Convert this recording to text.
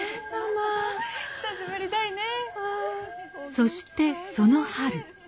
そしてその春。